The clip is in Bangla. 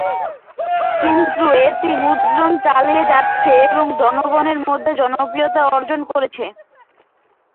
কিন্তু এটি মুদ্রণ চালিয়ে যাচ্ছে এবং জনগণের মধ্যে জনপ্রিয়তা অর্জন করেছে।